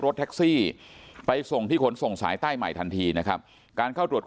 รถแท็กซี่ไปส่งที่ขนส่งสายใต้ใหม่ทันทีนะครับการเข้าตรวจ